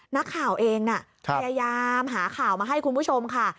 นักข่าวเองพยายามหาข่าวมาให้คุณผู้ชมค่ะ